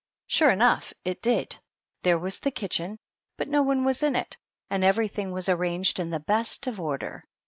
Sure enough, it did ; there was the kitchen, but no one was in it, and everything was arranged in the best of order.